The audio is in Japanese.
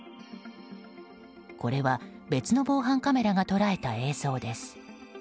これは別の防犯カメラが捉えた映像です。